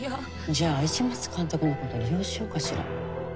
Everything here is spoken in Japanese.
じゃあ市松監督のこと利用しようかしら。